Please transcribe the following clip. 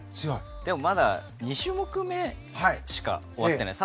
でも、まだ２種目めしか終わっていない。